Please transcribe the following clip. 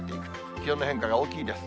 気温の変化が大きいです。